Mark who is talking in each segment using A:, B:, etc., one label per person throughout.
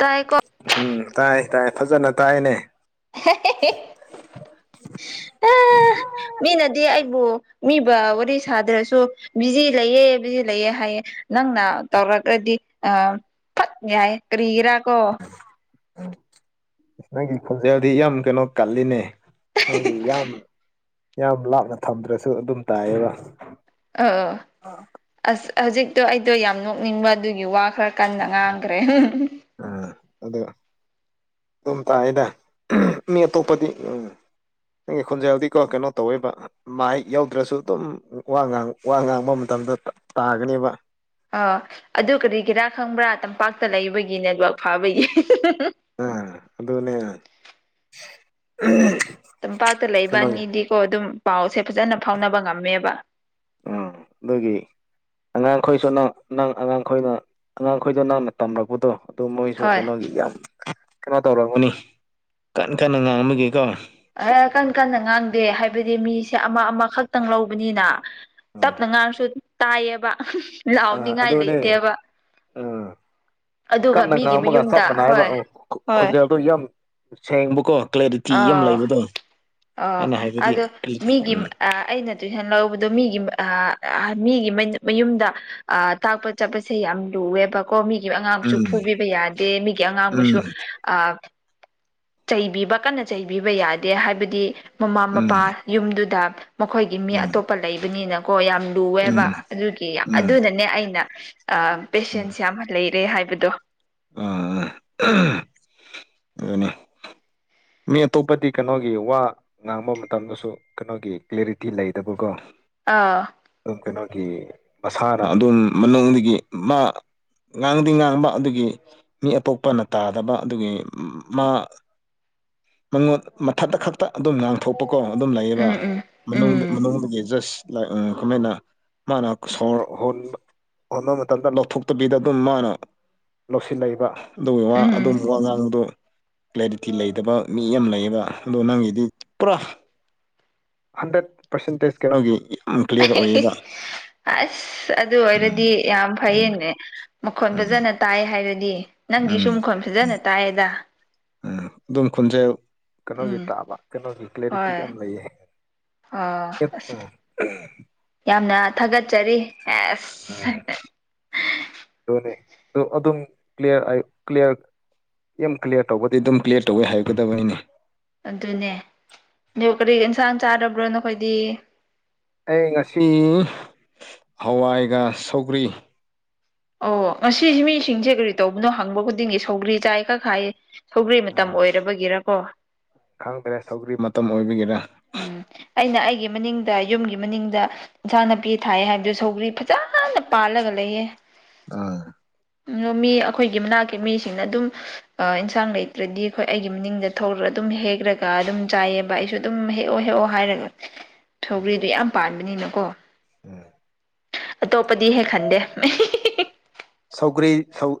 A: ꯇꯥꯏꯀꯣ
B: ꯎꯝ ꯇꯥꯏ ꯇꯥꯏ ꯐꯖꯅ ꯇꯥꯏꯅꯦ
A: ꯃꯤꯅꯗꯤ ꯑꯩꯕꯨ ꯃꯤꯕ ꯋꯥꯔꯤ ꯁꯥꯗ꯭ꯔꯁꯨ ꯕꯤꯖꯤ ꯂꯩꯌꯦ ꯕꯤꯖꯤ ꯂꯩꯑꯦ ꯍꯥꯏꯌꯦ ꯅꯪꯅ ꯇꯧꯔꯛꯗꯤ ꯗꯤ ꯑ ꯌꯥꯏ ꯀꯔꯤꯔ ꯀꯣ
B: ꯏꯁ ꯅꯒꯤ ꯈꯣꯟꯖꯦꯜꯗꯤ ꯌꯥꯝ ꯀꯩꯅꯣ ꯀꯜꯂꯤꯅꯦ ꯑꯗꯨꯒꯤ ꯌꯥꯝ ꯌꯥꯝ ꯂꯥꯞꯅ ꯊꯝꯗ꯭ꯔꯁꯨ ꯑꯗꯨꯝ ꯇꯥꯏꯌꯦꯕ
A: ꯑ ꯑꯁ ꯍꯧꯖꯤꯛꯇꯣ ꯑꯩꯗꯣ ꯌꯥꯝ ꯅꯣꯛꯅꯤꯡꯕ ꯑꯗꯨꯒꯤ ꯋꯥ ꯀꯗꯉ꯭ꯔꯦ
B: ꯑꯗꯨꯒ ꯑꯗꯨꯝ ꯇꯥꯛꯑꯗ ꯃꯤ ꯑꯇꯣꯞꯄꯗꯤ ꯎꯝ ꯅꯪꯒꯤ ꯈꯣꯟꯖꯩ ꯍꯧꯥꯎꯗꯤꯀꯣ ꯀꯩꯅꯣ ꯇꯧꯋꯦꯕ ꯃꯍ ꯌꯎꯗ꯭ꯔꯁꯨ ꯑꯗꯨꯝ ꯋꯥ ꯋꯥ ꯉꯥꯡꯕ ꯃꯇꯝ ꯗ ꯇꯥꯒꯅꯦꯕ
A: ꯑ ꯑꯗꯨ ꯀꯔꯤ ꯀꯔꯥ ꯈꯪꯕ꯭ꯔꯥ ꯇꯝꯄꯥꯛꯇ ꯂꯩꯕꯒꯤ ꯅꯦꯠꯋꯥꯛ ꯐꯥꯕꯒꯤ
B: ꯑ ꯑꯗꯨꯗꯅꯦ
A: ꯇꯝꯄꯥꯛꯥꯛꯇ ꯂꯩꯕꯅꯤꯗꯤꯀꯣ ꯑꯗꯨꯝ ꯄꯥꯎꯁꯦ ꯐꯖꯅ ꯐꯥꯎꯅꯕ ꯉꯝꯃꯦꯕ
B: ꯑꯩꯈꯣꯏꯁꯨ ꯅꯪ ꯅꯪ ꯑꯉꯥꯡꯈꯣꯏꯅ ꯑꯉꯥꯡꯈꯣꯏꯗꯣ ꯅꯪꯅ ꯇꯝꯔꯛꯄꯗꯣ ꯑꯗꯨ ꯃꯣꯏꯁꯨ
A: ꯍꯣꯏ
B: ꯀꯩꯅꯣꯒꯤ ꯌꯥꯝ ꯀꯩꯅꯣ ꯇꯧꯔꯝꯒꯅꯤ ꯀꯟ ꯀꯟꯅ ꯉꯥꯡꯃꯒꯦꯀꯣ
A: ꯑꯦ ꯀꯟ ꯀꯟꯅ ꯉꯥꯡꯗꯦ ꯍꯥꯏꯕꯗꯤ ꯃꯤꯁꯦ ꯑꯃ ꯑꯃꯈꯛꯇꯪ ꯂꯧꯕꯅꯤꯅ
B: ꯎꯝ
A: ꯇꯞꯅ ꯉꯥꯡꯁꯨ ꯇꯥꯏꯌꯦꯕ ꯂꯥꯎꯅꯤꯡꯉꯥꯏ ꯂꯩꯇꯦꯕ
B: ꯎꯝ
A: ꯑꯗꯨꯒ
B: ꯀꯟꯅ
A: ꯃꯤꯒꯤ
B: ꯉꯝꯃꯒ ꯆꯞ
A: ꯃꯌꯨꯝꯗ
B: ꯃꯥꯟꯅꯏꯕ
A: ꯍꯣꯏ ꯍꯣꯏ
B: ꯈꯣꯟꯖꯦꯜꯗꯨ ꯌꯥꯝ ꯁꯦꯡꯕꯀꯣ ꯀ꯭ꯂꯦꯔꯤꯇꯤ ꯌꯥꯝ ꯂꯩꯕꯗꯣ
A: ꯑꯣ
B: ꯑꯩꯅ ꯍꯥꯏꯕꯗꯤ
A: ꯑꯗꯣ ꯃꯤꯒꯤ
B: ꯎꯝ
A: ꯑꯩꯅ ꯇꯨꯏꯁꯟ ꯂꯧꯕꯗꯣ ꯃꯤꯒꯤ ꯃꯤꯒꯤ ꯃꯌꯨꯝꯗ ꯑ ꯇꯥꯛꯄ ꯆꯠꯄꯁꯦ ꯌꯥꯝ ꯂꯨꯑꯦꯕ ꯀꯣ ꯃꯤꯒꯤ ꯑꯉꯥꯡꯁꯨ
B: ꯎꯝ
A: ꯐꯨꯕꯤꯕ ꯌꯥꯗꯦ ꯃꯤꯒꯤ ꯑꯉꯥꯡꯕꯨꯁꯨ
B: ꯎꯝ
A: ꯑ ꯆꯩꯕꯤꯕ ꯀꯟꯅ ꯆꯩꯕꯤꯕ ꯌꯥꯗꯦ ꯍꯥꯏꯕꯗꯤ ꯃꯃꯥ
B: ꯎꯝ
A: ꯃꯄꯥ ꯌꯨꯝꯗꯨꯗ ꯃꯈꯣꯏꯒꯤ ꯃꯤ ꯑꯇꯣꯞꯄ ꯂꯩꯕꯅꯤꯅꯀꯣ ꯌꯥꯝ ꯂꯨꯑꯦꯕ
B: ꯎꯝ
A: ꯑꯗꯨꯒꯤ
B: ꯎꯝ
A: ꯑꯗꯨꯅꯅꯦ ꯑꯩꯅ ꯄꯦꯁꯦꯟꯁ ꯌꯥꯝ ꯂꯩꯔꯦ ꯍꯥꯏꯕꯗꯣ
B: ꯑ ꯑꯗꯨꯅꯦ ꯃꯤ ꯑꯇꯣꯞꯄꯗꯤ ꯀꯩꯅꯣꯒꯤ ꯋꯥ ꯉꯥꯡꯕ ꯃꯇꯝꯗꯁꯨ ꯀꯩꯅꯣꯒꯤ ꯀ꯭ꯦꯔꯤꯇꯤ ꯂꯩꯗꯕꯀꯣ
A: ꯑꯥ
B: ꯒꯤ ꯃꯁꯥꯅ ꯑꯗꯨꯝ ꯃꯅꯨꯡꯗꯒꯤ ꯃꯥ ꯉꯥꯡꯗꯤ ꯉꯥꯡꯕ ꯑꯗꯨꯒꯤ ꯃꯤ ꯑꯇꯣꯞꯄꯅ ꯇꯥꯗꯕ ꯑꯗꯨꯒꯤ ꯃꯥ ꯃ ꯃꯊ ꯇ ꯀꯛꯇ ꯑꯗꯨꯝ ꯉꯥꯡꯊꯣꯛꯄꯀꯣ ꯑꯗꯨꯝ ꯂꯩꯌꯦꯕ
A: ꯎꯝ ꯎꯝ ꯎꯝ
B: ꯃꯅꯨꯡꯗꯒꯤ ꯖꯁ ꯀꯃꯥꯏꯅ ꯃꯥꯅ ꯁꯣꯔ ꯍ ꯍꯠꯅꯕ ꯃꯇꯝꯗ ꯂꯧꯊꯣꯛꯇꯕꯤꯗ ꯑꯗꯨꯝ ꯃꯥꯅ ꯂꯧꯁꯤꯜꯂꯛꯏꯕ ꯑꯗꯨꯒꯤ ꯋꯥ
A: ꯎꯝ
B: ꯑꯗꯨꯒꯨꯝꯕ ꯋꯥ ꯉꯥꯡꯕꯗꯨ ꯇꯤ ꯂꯩꯇꯕ ꯃꯤ ꯌꯥꯝ ꯂꯩꯌꯦꯕ ꯑꯗꯣ ꯅꯪꯒꯤꯗꯤ ꯄꯨꯔꯥ ꯍꯟꯗ꯭ꯔꯦꯠ ꯄꯔꯁꯦꯟꯇꯦꯖ ꯀꯩꯅꯣꯒꯤ ꯌꯥꯝ ꯀ꯭ꯂꯤꯌꯥꯔ ꯑꯣꯏꯌꯦꯕ
A: ꯑꯁ ꯑꯗꯨ ꯑꯣꯏꯔꯗꯤ ꯌꯥꯝ ꯐꯩꯌꯦꯅꯦ ꯃꯈꯣꯟ
B: ꯎꯝ
A: ꯐꯖꯅ ꯇꯥꯏ ꯍꯥꯏꯔꯗꯤ ꯅꯪꯒꯤ
B: ꯎꯝ
A: ꯁꯨꯝ ꯈꯣꯟ ꯐꯖꯅ ꯇꯥꯏꯌꯦꯗ
B: ꯎꯝ ꯑꯗꯨꯝ ꯈꯣꯟꯖꯦꯟꯁꯦ ꯀꯩꯅꯣꯒꯤ
A: ꯎꯝ
B: ꯇꯥꯕ ꯀꯩꯅꯣꯒꯤ ꯀ꯭ꯂꯦꯔꯤꯇꯤ
A: ꯍꯣꯏ
B: ꯌꯥꯝ ꯂꯩꯌꯦ
A: ꯑꯣ ꯑꯁ
B: ꯆꯄ
A: ꯌꯥꯝꯅ ꯊꯥꯒꯠꯆꯔꯤ ꯑꯦꯁ
B: ꯑꯗꯨꯅꯦ ꯑꯗꯨꯝ ꯀ꯭ꯂꯤꯌꯥꯔ ꯀ꯭ꯂꯤꯌꯥꯔ ꯌꯝ ꯀ꯭ꯂꯤꯌꯥꯔ ꯇꯧꯕꯗꯤ ꯑꯗꯨꯝ ꯀ꯭ꯂꯤꯌꯥꯔ ꯇꯧꯋꯦ ꯍꯥꯏꯒꯗꯕꯅꯤꯅꯦ
A: ꯑꯗꯨꯅꯦ ꯑꯗꯨ ꯀꯔꯤ ꯑꯦꯟꯁꯥꯡ ꯆꯥꯔꯕ꯭ꯔꯣ ꯅꯈꯣꯏꯗꯤ
B: ꯑꯩ ꯉꯁꯤ ꯍꯋꯥꯏꯒ ꯁꯧꯒ꯭ꯔꯤ
A: ꯑꯣ ꯉꯁꯤꯁꯤ ꯃꯤꯁꯤꯡꯁꯦ ꯀꯔꯤ ꯇꯧꯕꯅꯣ ꯍꯪꯕ ꯈꯨꯗꯤꯡꯒꯤ ꯁꯧꯒ꯭ꯔꯤ ꯆꯥꯏ ꯈꯔ ꯍꯥꯏꯌꯦ ꯁꯧꯒ꯭ꯔꯤ ꯃꯇꯝ ꯑꯣꯏꯔꯕꯒꯤꯔꯀꯣ
B: ꯈꯪꯗ꯭ꯔꯦ ꯁꯧꯗ꯭ꯔꯤ ꯃꯇꯝ ꯑꯣꯏꯕꯤꯒꯤꯔꯥ
A: ꯎꯝ ꯑꯩꯅ ꯑꯩꯒꯤ ꯃꯅꯤꯡꯗ ꯌꯨꯝꯒꯤ ꯃꯅꯤꯡꯗ ꯏꯟꯁꯥꯡ ꯅꯥꯄꯤ ꯊꯥꯏꯑ ꯍꯥꯏꯕꯗꯨ ꯁꯧꯒ꯭ꯔꯤ ꯐꯖꯅ ꯄꯥꯜꯂꯒ ꯂꯩꯌꯦ
B: ꯑꯥ
A: ꯑꯗꯣ ꯃꯤ ꯑꯩꯈꯣꯏꯒꯤ ꯃꯅꯥꯛꯀꯤ ꯃꯤꯁꯤꯡꯅ ꯑꯗꯨꯝ ꯏꯟꯁꯥꯡ ꯂꯩꯇ꯭ꯔꯗꯤ ꯑꯩꯈꯣꯏ ꯑꯩꯒꯤ ꯃꯤꯅꯤꯡꯗ ꯊꯧꯔ ꯑꯗꯨꯝ ꯍꯦꯛ꯭ꯔꯒ ꯑꯗꯨꯝ ꯆꯥꯏꯑꯕ ꯑꯩꯁꯨ ꯑꯗꯨꯝ ꯍꯦꯛꯑꯣ ꯍꯦꯛꯑꯣ ꯍꯥꯏꯔꯒ ꯁꯧꯒ꯭ꯔꯤꯗꯨ ꯌꯥꯝ ꯄꯥꯟꯕꯅꯤꯅꯀꯣ
B: ꯎꯝ
A: ꯑꯇꯣꯞꯄꯗꯤ ꯍꯦꯛ ꯍꯥꯟꯗꯦ
B: ꯁꯧꯒ꯭ꯔꯤ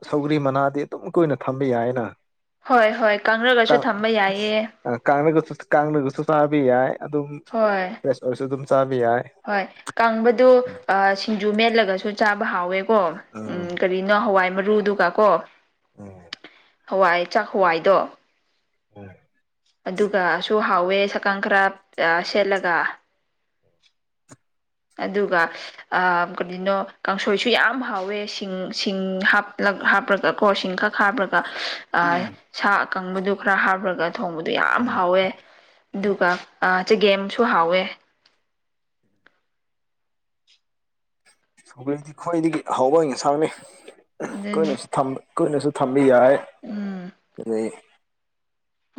B: ꯁꯧꯒ꯭ꯔꯤ ꯃꯅꯥꯗꯤ ꯑꯗꯨꯝ ꯀꯨꯏꯅ ꯊꯝꯕ ꯌꯥꯏꯅ
A: ꯍꯣꯏ ꯍꯣꯏ ꯀꯪꯔꯒꯁꯨ ꯊꯝꯕ ꯌꯥꯏꯌꯦ
B: ꯀꯥꯡꯒ ꯀꯥꯡꯅꯒꯁꯨꯁꯨ ꯆꯥꯕ ꯌꯥꯏ ꯑꯗꯨꯝ
A: ꯍꯣꯏ
B: ꯐꯦꯁ ꯑꯣꯏꯁꯨ ꯑꯗꯨ
A: ꯍꯣꯏ ꯀꯪꯕꯗꯨ ꯁꯤꯡꯖꯨ ꯃꯦꯠꯂꯒꯁꯨ ꯆꯥꯕ ꯍꯥꯎꯋꯦ ꯀꯣ ꯎꯝ ꯀꯔꯤꯅꯣ ꯍꯋꯥꯏ ꯃꯔꯨꯗꯨꯒ ꯀꯣ
B: ꯎꯝ
A: ꯍꯋꯥꯏ ꯆꯥꯛ ꯍꯋꯥꯏꯗꯣ
B: ꯎꯝ
A: ꯑꯗꯨꯒꯁꯨ ꯍꯥꯎꯋꯦ ꯁꯥꯀꯪ ꯈꯔ ꯁꯦꯠꯂꯒ ꯑꯗꯨꯒ ꯀꯔꯤꯅꯣ ꯀꯥꯡꯁꯣꯏꯁꯨ ꯌꯥꯝ ꯍꯥꯎꯋꯦ ꯁꯤꯡ ꯁꯤꯡ ꯍꯥꯞꯂ ꯈꯛ ꯍꯥꯞꯄ꯭ꯔꯒ ꯁꯤꯡ ꯈꯛ ꯍꯥꯞꯄꯒ
B: ꯎꯝ
A: ꯁꯥ ꯑꯀꯪꯕꯗꯨ ꯈꯔ ꯍꯥꯞꯄ꯭ꯔꯒ ꯊꯣꯡꯕꯗꯣ ꯌꯥꯝ
B: ꯎꯝ
A: ꯍꯥꯎꯋꯦ
B: ꯎꯝ
A: ꯑꯗꯨꯒ ꯆꯒꯦꯝꯁꯨ ꯍꯥꯎꯋꯦ
B: ꯁꯨꯒꯔ꯭ꯤꯗꯤ ꯈ꯭ꯋꯥꯏꯗꯒꯤ ꯍꯥꯎꯕ ꯏꯟꯁꯥꯡꯅꯤ
A: ꯑꯗꯨꯅꯤ
B: ꯀꯨꯏꯅꯁꯨ ꯊꯝ ꯀꯨꯏꯅꯁꯨ ꯊꯝ ꯕꯤ ꯌꯥꯏ
A: ꯎꯝ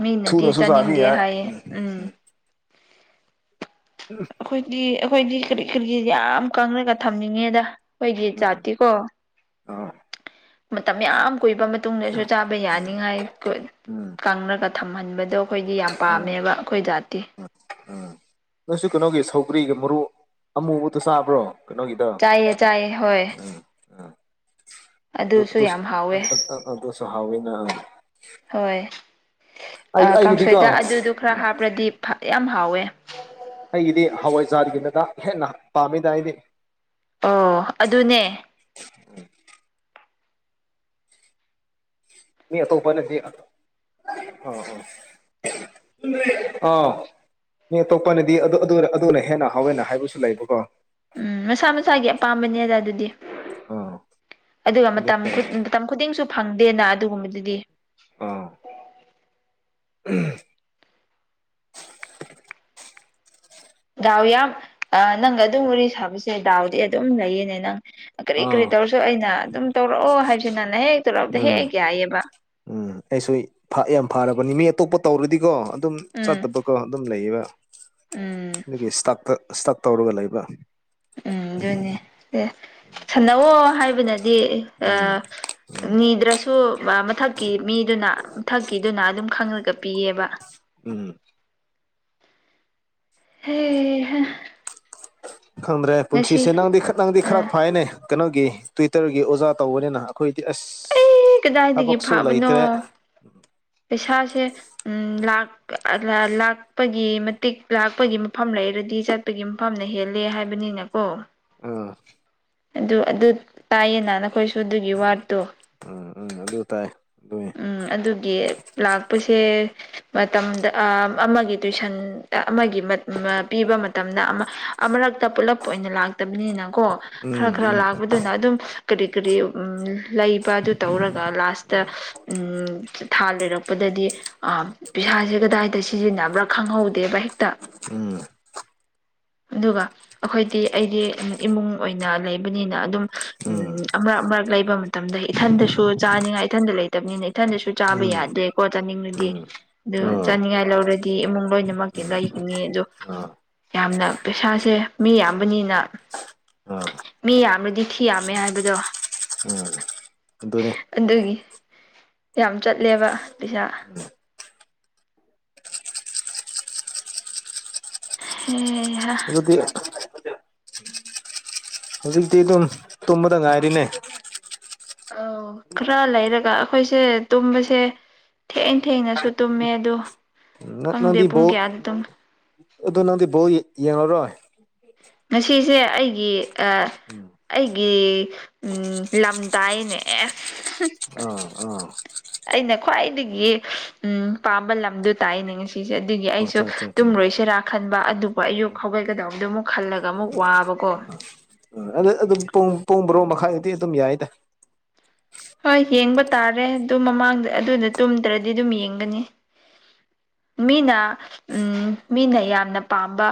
A: ꯃꯤꯅꯗꯤ
B: ꯊꯨꯅꯁꯨ ꯆꯥꯕ
A: ꯆꯥꯅꯤꯡꯗꯦ
B: ꯌꯥꯏ
A: ꯍꯥꯏꯌꯦ ꯎꯝ ꯑꯩꯈꯣꯏꯗꯤ ꯑꯩꯈꯣꯏꯗꯤ ꯀꯔꯤ ꯀꯔꯤ ꯌꯥꯝ ꯀꯥꯡꯉꯒ ꯊꯝꯅꯤꯡꯉꯦꯗ ꯑꯩꯈꯣꯏꯒꯤ ꯖꯥꯇꯤꯀꯣ
B: ꯑ
A: ꯃꯇꯝ ꯌꯥꯝ ꯀꯨꯏꯕ ꯃꯇꯨꯡꯗꯁꯨ ꯆꯥꯕ ꯌꯥꯅꯤꯉꯥꯏ
B: ꯎꯝ
A: ꯀꯪꯔꯒ ꯊꯝꯍꯟꯕꯗꯣ ꯑꯩꯈꯣꯏꯗꯤ ꯌꯥꯝ
B: ꯑꯥ
A: ꯄꯥꯝꯃꯦꯕ ꯑꯩꯈꯣꯏ ꯖꯥꯠꯇꯤ
B: ꯎꯝ ꯅꯪꯁꯨ ꯀꯩꯅꯣꯒꯤ ꯁꯧꯒ꯭ꯔꯤꯒ ꯃꯔꯨ ꯑꯃꯨꯕꯗꯨ ꯆꯥꯕ꯭ꯔꯣ ꯀꯩꯅꯣꯒꯤꯗꯣ
A: ꯆꯥꯏꯌꯦ ꯆꯥꯏꯌꯦ ꯍꯣꯏ
B: ꯎꯝ
A: ꯑꯗꯨꯁꯨ ꯌꯥꯝ ꯍꯥꯎꯋꯦ
B: ꯑꯗꯨꯁꯨ ꯍꯥꯎꯌꯦ ꯅꯥ
A: ꯍꯣꯏ
B: ꯑꯩꯒꯤꯗꯤꯀꯣ
A: ꯀꯥꯡꯁꯣꯏꯗ ꯑꯗꯨꯗꯣ ꯈꯔ
B: ꯎꯝ
A: ꯍꯥꯞꯄ꯭ꯔꯗꯤ ꯌꯥꯝ ꯍꯥꯎꯋꯦ
B: ꯑꯩꯒꯤꯗꯤ ꯍꯋꯥꯏꯖꯥꯔꯒꯤꯅꯗ ꯍꯦꯟꯅ ꯄꯥꯝꯃꯤꯗ ꯑꯩꯗꯤ
A: ꯑꯣ ꯑꯗꯨꯅꯦ
B: ꯃꯤ ꯑꯇꯣꯞꯄꯥꯅꯥꯗꯤ ꯑ ꯑ ꯑ ꯅ ꯑꯇꯣꯞꯄꯅꯗꯤ ꯑꯗꯨ ꯑꯗꯨꯅ ꯍꯦꯟꯅ ꯍꯥꯎꯋꯦꯟꯅ ꯍꯥꯏꯕꯁꯨ ꯂꯩꯕꯀꯣ
A: ꯎꯝ ꯃꯁꯥ ꯃꯁꯥꯒꯤ ꯑꯄꯥꯝꯕꯅꯦꯗ ꯑꯗꯨꯗꯤ
B: ꯑꯥ
A: ꯑꯗꯨꯒ
B: ꯑꯗꯨ
A: ꯃꯇꯝ ꯃꯇꯝ ꯈꯨꯗꯤꯡꯁꯨ ꯐꯪꯗꯦꯅ ꯑꯗꯨꯒꯨꯝꯕꯗꯨꯗꯤ
B: ꯑꯥ ꯎꯝ
A: ꯗꯥꯎ ꯌꯥꯝ ꯅꯪꯒ ꯑꯗꯨꯝ ꯋꯥꯔꯤ ꯁꯥꯕꯁꯦ ꯗꯥꯎꯗꯤ ꯑꯗꯨꯝ ꯂꯩꯌꯦꯅꯦ ꯅꯪ ꯀꯔꯤ ꯀꯔꯤ
B: ꯑꯥ
A: ꯇꯧꯔꯁꯨ ꯑꯩꯅ ꯑꯗꯨꯝ ꯇꯧꯔꯛꯑꯣ ꯍꯥꯏꯁꯤꯅꯅ ꯍꯦꯛ ꯇꯧꯔꯛꯕꯗ
B: ꯎꯝ
A: ꯍꯦꯛ ꯌꯥꯏꯑꯕ
B: ꯎꯝ ꯑꯩꯁꯨ ꯌꯥꯝ ꯐꯔꯕꯅꯤ ꯃꯤ ꯑꯇꯣꯞꯄ ꯇꯧꯔꯗꯤꯀꯣ ꯑꯗꯨꯝ
A: ꯎꯝ
B: ꯆꯠꯇꯕꯀꯣ ꯑꯗꯨꯝ ꯂꯩꯌꯦꯕ
A: ꯎꯝ
B: ꯑꯗꯨꯒꯤ ꯁ꯭ꯇꯥꯥꯛꯇ ꯏꯁꯇꯛ ꯇꯧꯔꯒ ꯂꯩꯕ
A: ꯎꯝ ꯑꯗꯨꯅꯦ ꯁꯥꯟꯅꯧꯑꯣ ꯍꯥꯏꯕꯅꯗꯤ
B: ꯎꯝ
A: ꯑ
B: ꯎꯝ
A: ꯃꯤꯅꯤꯗ꯭ꯔꯥ ꯁꯨ ꯃꯊꯛꯀꯤ ꯃꯤꯗꯨꯅ ꯃꯊꯛꯀꯤꯗꯨꯅ ꯑꯗꯨꯝ ꯈꯪꯉꯒ ꯄꯤꯌꯦꯕ
B: ꯎꯝ
A: ꯍꯦ
B: ꯈꯪꯗ꯭ꯔꯦ
A: ꯉꯁꯤ
B: ꯄꯨꯟꯁꯤꯁꯦ ꯅꯪꯗꯤ ꯅꯪꯗꯤ ꯈꯔ
A: ꯑꯥ
B: ꯐꯥꯏꯅꯦ ꯀꯩꯅꯣꯒꯤ ꯇ꯭ꯋꯤꯇꯔꯒꯤ ꯑꯣꯖꯥ ꯇꯧꯕꯅꯤꯅ ꯑꯩꯈꯣꯏꯗꯤ ꯑꯁ
A: ꯑꯩ
B: ꯍꯥ
A: ꯀꯗꯥꯏꯗꯒꯤ
B: ꯄꯛꯁꯨꯂ ꯏꯇꯔꯦ
A: ꯏꯁꯁꯦ ꯎꯝ ꯂꯥꯛ ꯂꯥꯛꯄꯒꯤ ꯃꯇꯤꯛ ꯂꯥꯛꯄꯒꯤ ꯃꯐꯝ ꯂꯩꯔꯗꯤ ꯆꯠꯄꯒꯤ ꯃꯐꯝꯅ ꯍꯦꯜꯂꯦ ꯍꯥꯏꯕꯅꯤꯅꯀꯣ
B: ꯑꯥ
A: ꯑꯗꯨ ꯑꯗꯨ ꯇꯥꯏꯌꯦ ꯅ ꯑꯩꯈꯣꯏꯁꯨ ꯑꯗꯨꯒꯤ ꯋꯥꯠꯇꯣ
B: ꯎꯝ ꯎꯝ ꯑꯗꯨ ꯇꯥꯏ ꯑꯗꯨꯏ
A: ꯎꯝ ꯑꯗꯨꯒꯤ ꯂꯥꯛꯄꯁꯦ ꯃꯇꯝꯗ ꯑꯃꯒꯤ ꯇꯨꯏꯁꯟ ꯑꯃꯒꯤ ꯄꯤꯕ ꯃꯇꯝꯗ ꯑꯃꯔꯛꯇ ꯄꯨꯂꯞ ꯑꯣꯏꯅ ꯂꯥꯛꯇꯕꯅꯤꯅꯀꯣ ꯈꯔ
B: ꯎꯝ
A: ꯈꯔ
B: ꯎꯝ
A: ꯂꯥꯛꯄꯗꯨꯅ ꯑꯗꯨꯝ ꯀꯔꯤ ꯀꯔꯤ ꯂꯩꯕ ꯑꯗꯨ ꯇꯧꯔꯒ ꯂꯥꯁꯇ ꯂꯩꯔꯛꯄꯗꯗꯤ ꯑ ꯄꯩꯁꯥꯁꯦ ꯀꯗꯥꯏꯗ ꯁꯤꯖꯤꯟꯅꯕ꯭ꯔꯥ ꯈꯪꯍꯧꯗꯦꯕ ꯍꯦꯛꯇ
B: ꯎꯝ
A: ꯑꯗꯨꯒ ꯑꯩꯈꯣꯏꯗꯤ ꯑꯩꯗꯤ ꯏꯃꯨꯡ ꯑꯣꯏꯅ ꯂꯩꯕꯅꯤꯅ ꯑꯗꯨꯝ ꯎꯝ ꯑꯃ ꯑꯃ ꯂꯩꯕ ꯃꯇꯝꯗ ꯏꯊꯟꯗꯁꯨ ꯆꯥꯅꯤꯡꯉꯥꯏ ꯏꯊꯟꯗ ꯂꯩꯇꯕꯅꯤꯅ ꯏꯊꯟꯗꯁꯨ ꯆꯥꯕ
B: ꯎꯝ
A: ꯌꯥꯅꯤ ꯀꯣ ꯆꯥꯅꯤꯡꯂꯨꯗꯤ
B: ꯎꯝ
A: ꯑꯗꯨ
B: ꯎꯝ
A: ꯆꯥꯅꯤꯡꯉꯥꯏ ꯂꯧꯔꯗꯤ ꯏꯃꯨꯡ ꯂꯣꯏꯅꯃꯛꯇꯤ ꯂꯩꯒꯅꯤ ꯑꯗꯣ
B: ꯑꯥ ꯑꯥ
A: ꯌꯥꯝꯅ ꯄꯩꯁꯥꯁꯦ ꯃꯤ ꯌꯥꯝꯕꯅꯤꯅ
B: ꯑꯥ
A: ꯃꯤ ꯌꯥꯝꯅꯗꯤ ꯊꯤ ꯌꯥꯝꯃꯦ ꯍꯥꯏꯕꯗꯣ
B: ꯎꯝ ꯑꯗꯨꯅꯤ
A: ꯑꯗꯨꯒꯤ ꯌꯥꯝ ꯆꯠꯂꯦꯕ ꯄꯩꯁꯥ ꯎꯝ
B: ꯑꯗꯨꯗꯤ ꯍꯧꯖꯤꯇ ꯇꯇꯕꯗ ꯉꯥꯔꯤꯅꯦ
A: ꯑ ꯈꯔ ꯂꯩꯔꯒ ꯑꯩꯈꯣꯏꯁꯦ ꯇꯨꯝꯕꯁꯦ ꯊꯦꯡꯅ ꯊꯦꯡꯅꯁꯨ ꯇꯨꯝꯃꯦ ꯑ
B: ꯅꯪꯗꯤ ꯕꯣ ꯑꯗꯨ ꯅꯪꯗꯤ ꯕꯣ ꯌꯦꯡꯂꯡꯉꯔꯣꯏ
A: ꯉꯁꯤꯁꯦ ꯑꯩꯒꯤ ꯑ
B: ꯎꯝ
A: ꯑꯩꯒꯤ ꯎ ꯂꯝꯗꯥꯏꯅꯦ ꯑꯦꯁ
B: ꯑꯥ ꯑꯥ
A: ꯑꯩꯅ ꯈ꯭ꯋꯥꯏꯗꯒꯤ ꯎꯝ ꯄꯥꯝꯕ ꯂꯝꯗꯣ ꯇꯥꯛꯅꯦ ꯉꯁꯤꯁꯦ ꯑꯗꯨꯒꯤ
B: ꯑꯆꯥ ꯑꯆꯥ ꯑꯆꯥ
A: ꯇꯔꯣꯏꯁꯦ ꯔ ꯈꯟꯕ ꯑꯗꯨꯄ ꯑꯌꯨꯛ ꯍꯧꯥꯎꯒꯠꯒꯗꯕꯗꯣ ꯑꯃꯨꯛ ꯈꯜꯂꯒ ꯑꯃꯨꯛ ꯋꯥꯕꯀꯣ
B: ꯎꯝ ꯑꯗ ꯑꯗꯨꯝ ꯄꯣꯡ ꯕꯔꯣ ꯃꯈꯥꯒꯤꯗꯤ ꯑꯗꯨꯝ ꯌꯥꯏꯗ
A: ꯍꯣꯏ ꯌꯦꯡꯕ ꯇꯥꯔꯦ ꯑꯗꯨ ꯃꯃꯥꯡꯗ ꯑꯗꯨꯗ ꯇꯨꯝꯗ꯭ꯔꯗꯤ ꯑꯗꯨꯝ ꯌꯦꯡꯒꯅꯤ
B: [inaudible]
A: ꯃꯤꯅ ꯃꯤꯅ ꯌꯥꯝꯅ ꯄꯥꯝꯕ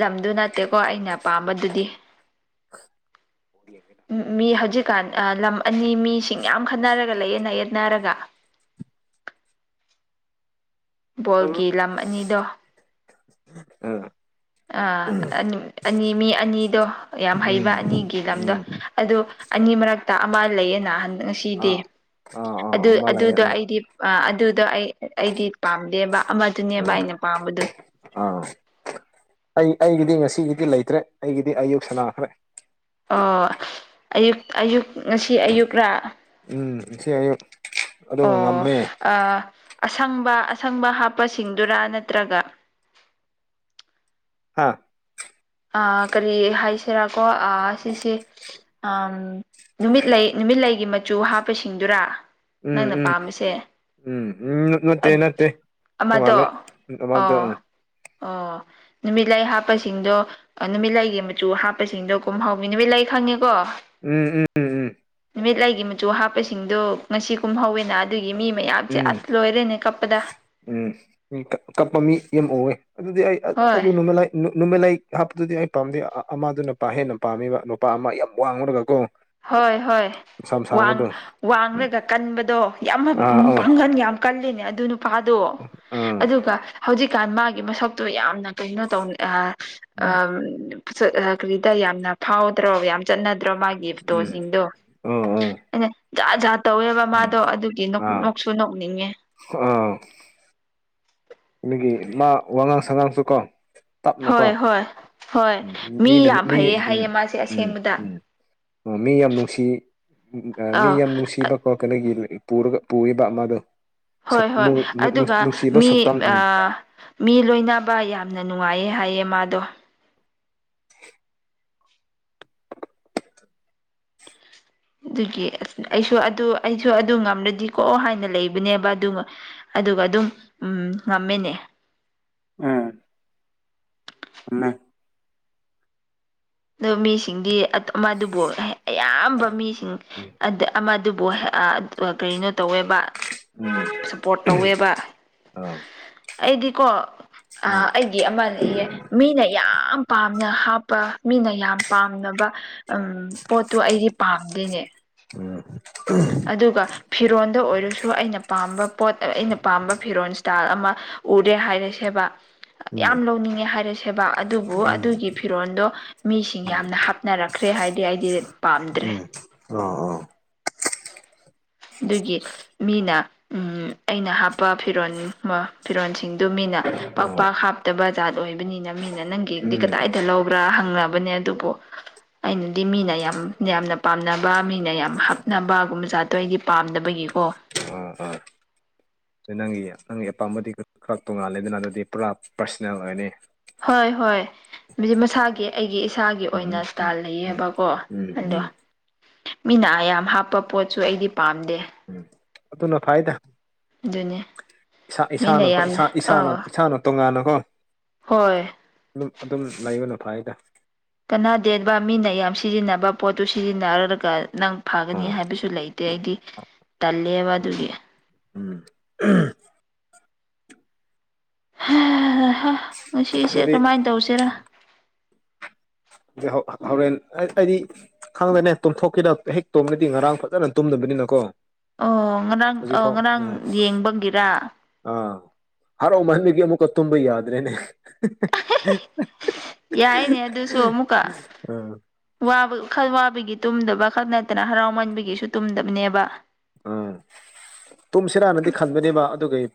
A: ꯂꯝꯗꯨ ꯅꯠꯇꯦꯀꯣ ꯑꯩꯅ ꯑꯄꯥꯝꯕ ꯑꯗꯨꯗꯤ ꯃꯤ ꯍꯧꯖꯤꯛꯀꯥꯟ ꯂꯝ ꯑꯅꯤ ꯃꯤꯁꯤꯡ ꯌꯥꯝ ꯈꯠꯟꯅꯔꯒ ꯂꯩꯌꯦꯠ ꯌꯦꯠꯅꯔꯒ
B: [unintelligible]
A: ꯕꯣꯜꯒꯤ ꯂꯝ ꯑꯅꯤꯗꯣ
B: ꯎꯝ
A: ꯑꯥ ꯑꯅꯤ ꯃꯤ ꯑꯅꯤꯗꯣ ꯌꯥꯝ
B: ꯎꯝ
A: ꯍꯩꯕ ꯑꯅꯤꯒꯤ ꯂꯝꯗꯣ
B: ꯎꯝ
A: ꯑꯗꯨ ꯑꯅꯤ ꯃꯔꯛꯇ ꯑꯃ ꯂꯩꯌꯦꯅ ꯉꯁꯤꯗꯤ
B: ꯑꯥ ꯑꯥ ꯑꯥ
A: ꯑꯗꯨ
B: ꯑꯃ ꯂꯩꯌꯦ
A: ꯑꯗꯨꯗꯣ
B: ꯎꯝ
A: ꯑꯩꯗꯤ ꯑꯗꯨꯗꯣ ꯑꯩ ꯑꯩꯗꯤ ꯄꯥꯝꯗꯦꯕ ꯑꯃꯗꯨꯅꯦꯕ
B: ꯎꯝ
A: ꯑꯩꯅ ꯄꯥ ꯑꯕꯗ
B: ꯑꯥ ꯑꯩ ꯑꯩꯒꯤꯗꯤ ꯉꯁꯤꯒꯤꯗꯤ ꯂꯩꯇ꯭ꯔꯦ ꯑꯩꯒꯤꯗꯤ ꯑꯌꯨꯛ ꯁꯅꯥꯈ꯭ꯔꯦ
A: ꯑꯣ ꯑꯌꯨ ꯑꯌꯨꯛ ꯉꯁꯤ ꯑꯌꯨꯛꯔꯥ
B: ꯎꯝ ꯏ ꯑꯌꯨ
A: ꯑꯣ ꯑ ꯑꯁꯪꯕ ꯑꯁꯪꯕ ꯍꯥꯞꯄꯁꯤꯡꯗꯨꯔꯥ ꯅꯠꯇ꯭ꯔꯒ
B: ꯍꯥꯥ
A: ꯑ ꯀꯔꯤ ꯍꯥꯏꯁꯤꯔꯥꯀꯣ ꯁꯤꯁꯦ ꯑ ꯅꯨꯃꯤꯠꯂ ꯅꯨꯃꯤꯠꯂꯒꯤ ꯃꯆꯨ ꯍꯥꯞꯄꯁꯤꯡꯗꯨꯔꯥ
B: ꯎꯝ
A: ꯅꯪꯅ
B: ꯎꯝ
A: ꯄꯥꯝꯕꯁꯦ
B: ꯎꯝ ꯎꯝ ꯅꯠꯇꯦ ꯅꯠꯇꯦ
A: ꯑꯃꯗꯣ
B: ꯇꯣꯡꯉꯥꯜꯂꯦ ꯑꯃꯗ
A: ꯑꯣ
B: ꯎꯝ
A: ꯑꯣ ꯅꯨꯃꯤ ꯂꯩꯥꯏ ꯍꯥꯞ ꯍꯥꯞꯄꯁꯤꯡꯗꯣ ꯅꯨꯃꯤꯠ ꯂꯩꯒꯤ ꯃꯆꯨ ꯍꯥꯞꯄꯁꯤꯡꯗꯣ ꯀꯨꯝ ꯍꯥꯎꯋ ꯅꯨꯃꯤꯠ ꯂꯩ ꯈꯪꯉꯦꯀꯣ
B: ꯎꯝ ꯎꯝ ꯎꯝ ꯎꯝ
A: ꯃꯤꯠꯂꯒꯤ ꯃꯆꯨ ꯍꯥꯞꯄꯁꯤꯡꯗꯣ ꯉꯁꯤ ꯀꯨꯝꯍꯧꯋꯦꯅ ꯑꯗꯨꯒꯤ ꯃꯤ ꯃꯌꯥꯝꯁꯦ
B: ꯎꯝ
A: ꯑꯁ ꯂꯣꯏꯔꯦꯅꯦ ꯀꯞꯄꯗ
B: ꯎꯝ ꯀꯞꯄ ꯃꯤ ꯌꯥꯝ ꯑꯣꯑꯦ ꯑꯗꯨꯗꯤ ꯑꯩ
A: ꯍꯣꯏ
B: ꯅꯃꯦ ꯂꯩ ꯅꯨꯃꯤꯠꯂꯥꯏ ꯍꯥꯞꯄꯗꯨꯗꯤ ꯑꯩ ꯄꯥꯝꯗꯦ ꯑꯃꯗꯨ ꯅꯨꯄꯥ ꯍꯦꯟꯅ ꯄꯥꯝꯃꯤꯕ ꯅꯨꯄꯥ ꯑꯃ ꯌꯥꯝ ꯋꯥꯡꯉꯨꯔꯒꯀꯣ
A: ꯍꯣꯏ ꯍꯣꯏ
B: ꯃꯁꯝ ꯁꯥꯡꯕꯗꯣ
A: ꯋꯥ
B: ꯎꯝ
A: ꯋꯥꯡꯡꯂꯒ ꯀꯟꯕꯗꯣ ꯌꯥꯝ ꯎ
B: ꯑꯥ ꯑꯧ
A: ꯄꯥꯡꯒꯟ ꯌꯥꯝ ꯀꯜꯂꯤꯅꯦ ꯑꯗꯨ ꯅꯨꯄꯥꯗꯣ
B: ꯑꯥ
A: ꯑꯗꯨꯒ ꯍꯧꯖꯤꯛꯀꯥꯟ ꯃꯥꯒꯤ ꯃꯁꯛꯇꯣ ꯌꯥꯝꯅ ꯀꯩꯅꯣ ꯇꯧ
B: ꯎꯝ
A: ꯀꯔꯤꯗ ꯌꯥꯝꯅ ꯐꯥꯎꯗ꯭ꯔꯣ ꯌꯥꯝꯅ ꯆꯠꯅꯗ꯭ꯔꯣ ꯃꯥꯒꯤ
B: ꯎꯝ ꯑꯧ ꯑꯧ
A: ꯣ ꯇꯧꯋꯦꯕ
B: ꯎꯝ
A: ꯃꯥꯗꯣ ꯑꯗꯨꯒꯤ
B: ꯑꯥ
A: ꯅꯣꯛꯁꯨ ꯅꯣꯛꯅꯤꯡꯉꯦ
B: ꯑꯥ ꯑꯩꯈꯒꯤ ꯃꯥ ꯋꯥꯉꯥꯡ ꯁꯉꯥꯡꯁꯨ ꯀꯣ ꯇꯞꯅꯀꯣꯝ
A: ꯍꯣꯏ ꯍꯣꯏ ꯍꯣꯏ
B: ꯃꯤꯅ
A: ꯌꯥꯝ
B: ꯃꯤ
A: ꯐꯩꯌꯦ
B: ꯎꯝ
A: ꯍꯥꯏꯌꯦ ꯃꯥꯁꯦ
B: ꯎꯝ
A: ꯑꯁꯦꯡꯕꯗ
B: ꯎꯝ ꯑꯣ ꯃꯤ ꯌꯥꯝ ꯅꯨꯡꯁꯤ ꯃꯤ
A: ꯑꯥ
B: ꯌꯥꯝ ꯅꯨꯡꯁꯤꯕ ꯈꯣ ꯀꯩꯅꯣꯒꯤ ꯄꯔꯒ ꯄꯔꯤꯥꯃ ꯑꯗꯨꯣ
A: ꯍꯣꯏ ꯍꯣꯏ ꯑꯗꯨꯒ ꯃꯤ
B: ꯁꯛꯇꯝ
A: ꯑ
B: ꯎꯝ
A: ꯃꯤ ꯂꯣꯏꯅꯕ ꯌꯥꯝꯅ ꯅꯨꯡꯉꯥꯏꯌꯦ ꯍꯥꯏꯌꯦ ꯃꯥꯗꯣ ꯑꯗꯨꯒꯤ ꯑꯁ ꯑꯩꯁꯨ ꯑꯗꯨ ꯑꯩꯁꯨ ꯑꯗꯨ ꯉꯝꯔꯗꯤ ꯀꯣꯑꯣ ꯍꯥꯏꯅ ꯂꯩꯕꯅꯦꯕ ꯑꯗꯨꯒ ꯑꯗꯨꯒ ꯑꯗꯨꯝ ꯎꯝ ꯉꯝꯃꯦꯅꯦ
B: ꯎꯝ ꯑ
A: ꯑ ꯃꯤꯁꯤꯡꯗꯤ ꯑꯃꯗꯨꯕꯨ ꯑꯌꯥꯝꯕ ꯃꯤꯁꯤꯡ
B: ꯎꯝ
A: ꯑꯃꯗꯨꯕꯨ ꯀꯩꯅꯣ ꯇꯧꯋꯦꯕ
B: ꯎꯝ
A: ꯁꯞꯄꯣꯔꯠ ꯇꯧꯋꯦꯕ
B: ꯑꯥ
A: ꯑꯩꯗꯤꯀꯣ ꯑ
B: ꯎꯝ
A: ꯑꯩꯒꯤ ꯑꯃꯅ ꯏꯌꯦ ꯃꯤꯅ ꯌꯥꯝ ꯄꯥꯝꯅ ꯍꯥꯞꯄ ꯃꯤꯅ ꯌꯥꯝ ꯄꯥꯝꯅꯕ ꯎꯝ ꯄꯣꯠꯇꯣ ꯑꯩꯗꯤ ꯄꯥꯝꯗꯦꯅꯦ ꯑꯗꯨꯒ ꯐꯤꯔꯣꯟꯗ ꯑꯣꯏꯔꯁꯨ ꯑꯩꯅ ꯄꯥꯝꯕ ꯄꯣꯠ ꯑꯩꯅ ꯄꯥꯝꯕ ꯐꯤꯔꯣꯟꯜ ꯏꯁꯇꯥꯏꯜ ꯑꯃ ꯎꯔꯦ ꯍꯥꯏꯔꯁꯦꯕ
B: ꯎꯝ
A: ꯌꯥꯝ ꯂꯧꯅꯤꯡꯉꯦ ꯍꯥꯏꯔꯁꯦꯕ ꯑꯗꯨꯕꯨ
B: ꯎꯝ
A: ꯑꯗꯨꯒꯤ ꯐꯤꯔꯣꯜꯗꯣ ꯃꯤꯁꯤꯡ
B: ꯎꯝ
A: ꯌꯥꯝꯅ ꯍꯥꯞꯅꯔꯛꯈ꯭ꯔꯦ ꯍꯥꯏꯗꯤ ꯑꯩꯗꯤ ꯄꯥꯝꯗ꯭ꯔꯦ
B: ꯎꯝ ꯑꯥ ꯑꯥ
A: ꯑꯗꯨꯒꯤ ꯃꯤꯅ ꯑꯩꯅ ꯍꯥꯞꯄ ꯐꯤꯔꯣꯜ ꯐꯤꯔꯣꯜꯁꯤꯡꯗꯨ ꯃꯤꯅ ꯄꯥꯛ
B: ꯑꯥ
A: ꯄꯥꯛ ꯍꯥꯞꯇꯕ ꯖꯥꯔꯠ ꯑꯣꯏꯕꯅꯤꯅ ꯃꯤꯅ ꯅꯪꯒꯤꯗꯤ
B: ꯎꯝ
A: ꯀꯗꯥꯏꯗ ꯂꯧꯕ꯭ꯔꯥ ꯍꯪꯅꯕꯅꯦ ꯑꯗꯨꯕꯨ
B: [unintelligible]
A: ꯑꯩꯅꯗꯤ ꯃꯤꯅ ꯌꯥꯝ ꯌꯥꯝꯅ ꯄꯥꯝꯅꯕ ꯃꯤꯅ ꯌꯥꯝ ꯍꯥꯞꯅꯕ ꯒꯨꯝꯕꯖꯥꯠ ꯑ ꯑꯗꯨꯣ ꯑꯩꯗꯤ ꯄꯥꯝꯗꯕꯒꯤꯀꯣ
B: ꯑꯥ ꯑꯥ ꯑꯗꯨ ꯅꯪꯒꯤ ꯅꯪꯒꯤ ꯑꯄꯥꯝꯕꯗꯤ ꯈꯔ ꯇꯣꯡꯉꯥꯜꯂꯦꯗꯅ ꯑꯗꯨꯗꯤ ꯄꯨꯔꯥ ꯄꯥꯔꯁꯅꯦꯜ ꯑꯣꯏꯅꯤ
A: ꯍꯣꯏ ꯍꯣꯏ ꯑꯗꯨꯗꯤ ꯃꯁꯥꯒꯤ ꯑꯩꯒꯤ ꯏꯁꯥꯒꯤ
B: ꯎꯝ
A: ꯑꯣꯏꯅ
B: ꯎꯝ ꯎꯝ
A: ꯏꯁꯇꯥꯏꯜ
B: ꯎꯝ
A: ꯂꯩꯌꯦꯕꯀꯣ
B: ꯎꯝ
A: ꯑꯗꯣ
B: ꯎꯝ
A: ꯃꯤꯅ ꯑꯌꯥꯝ ꯍꯥꯞꯄ ꯄꯣꯠꯁꯨ ꯑꯩꯗꯤ ꯄꯥꯝꯗꯦ
B: ꯎꯝ ꯑꯗꯨꯅ ꯐꯥꯏꯗ
A: ꯑꯗꯨꯅꯤ
B: ꯏꯁꯥ
A: ꯃꯤꯅ
B: ꯏꯁꯥꯅꯀꯣ
A: ꯌꯥꯝꯅ
B: ꯏꯁꯥ ꯏꯁꯥꯅ
A: ꯑꯥ
B: ꯏꯁꯥꯅ ꯇꯣꯉꯥꯟꯅ ꯍꯥ
A: ꯍꯣꯏ
B: ꯑꯗꯨꯝ ꯑꯗꯨꯝ ꯂꯩꯕꯅ ꯐꯥꯏꯗ
A: ꯀꯅꯥ ꯗꯦꯟꯕ ꯃꯤꯅ ꯌꯥꯝ ꯁꯤꯖꯤꯟꯅꯕ ꯄꯣꯠꯇꯨ ꯁꯤꯖꯤꯟꯅꯔꯔꯒ ꯅꯪ ꯐꯒꯅꯤ
B: ꯎꯝ
A: ꯍꯥꯏꯕꯁꯨ ꯂꯩꯇ ꯑꯩꯗꯤ ꯇꯜꯂꯦꯕ
B: ꯎꯝ
A: ꯑꯗꯨꯒꯤ
B: ꯎꯝ
A: ꯉꯁꯤꯁꯦ
B: ꯑꯗꯨꯗꯤ
A: ꯀꯃꯥꯏꯅ ꯇꯧꯁꯤꯔ
B: ꯍꯣꯔꯦꯟ ꯑꯩꯗꯤ ꯈꯪꯗꯅꯦ ꯇꯨꯝꯊꯣꯛꯈꯤꯔ ꯍꯦꯛ ꯇꯣꯝꯗꯗꯤ ꯉꯔꯥꯡ ꯐꯖꯅ ꯇꯨꯝꯗꯕ ꯑꯗꯨꯅꯀꯣ
A: ꯑꯣ ꯉꯔꯥꯡ ꯑ ꯉꯔꯥꯡ ꯌꯦꯡꯐꯝꯒꯤꯔ
B: ꯍꯔꯣ ꯃꯅꯤꯒꯤ ꯑꯃꯀ ꯇꯨꯝꯝꯕꯩꯗ꯭ꯔꯦꯅꯦ
A: ꯌꯥꯏꯅꯦ ꯑꯗꯨꯁꯨ ꯑꯃꯨꯛ
B: ꯎꯝ
A: ꯈꯜ ꯋꯥꯕꯒꯤ ꯇꯨꯝꯗꯕ ꯈꯛ ꯅꯠꯇꯅ ꯍꯔꯥꯎꯃꯟꯕꯒꯤꯁꯨ ꯇꯨꯝꯗꯕꯅꯦꯕ
B: ꯎꯝ ꯇꯨꯝꯁꯤꯔ ꯍꯥꯟꯅꯗꯤ ꯈꯟꯕꯅꯦꯕ ꯑꯗꯨꯒꯒꯤ